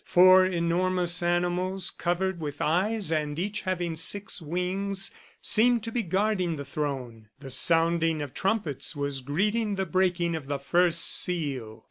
Four enormous animals, covered with eyes and each having six wings, seemed to be guarding the throne. The sounding of trumpets was greeting the breaking of the first seal.